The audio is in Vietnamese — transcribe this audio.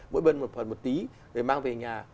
mỗi bên một phần một tí để mang về nhà